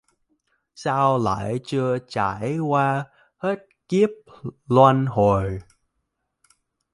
Sao lại chưa trải qua hết kiếp luân hồi